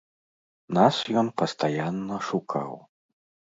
Нас ён пастаянна шукаў.